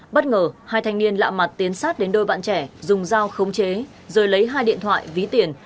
bất ngờ hai thanh niên lạ mặt tiến sát đến đôi bạn trẻ dùng dao khống chế rồi lấy hai điện thoại ví tiền